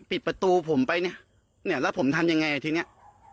ปิดประตูผมไปเนี่ยเนี่ยแล้วผมทำยังไงอ่ะทีเนี้ย